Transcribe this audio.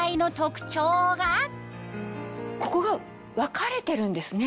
ここが分かれてるんですね。